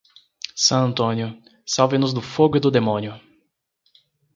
San Antonio, salve-nos do fogo e do demônio.